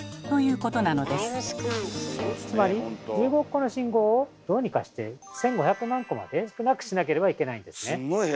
つまり１５億個の信号をどうにかして１，５００万個まで少なくしなければいけないんですね。